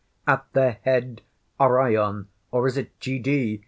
At their head Arion—or is it G.D.?